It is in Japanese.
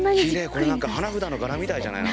これ何か花札の柄みたいじゃない？